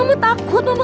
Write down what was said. pas dulu iya